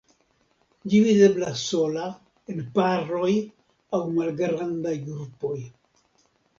Ĝi videblas sola, en paroj aŭ malgrandaj grupoj.